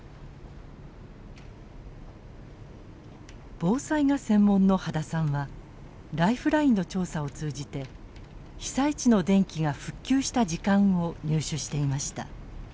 防災が専門の秦さんはライフラインの調査を通じて被災地の電気が復旧した時間を入手していました。